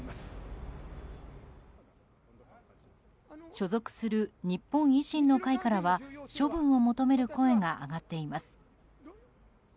所属する日本維新の会からは処分を求める声が上がっています。